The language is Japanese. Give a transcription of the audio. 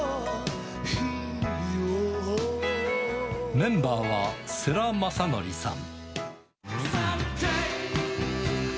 メンバーは世良公則さん。